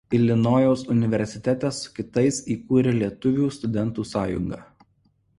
Ilinojaus universitete su kitais įkūrė Lietuvių studentų sąjungą.